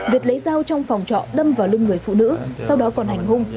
việc lấy dao trong phòng trọ đâm vào lưng người phụ nữ sau đó còn hành hung